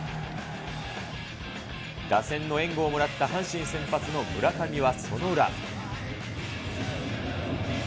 打線の援護をもらった阪神先発の村上はその裏。